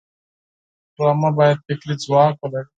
ډرامه باید فکري ځواک ولري